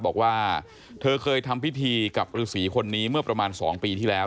บอกว่าเธอเคยทำพิธีกับฤษีคนนี้เมื่อประมาณ๒ปีที่แล้ว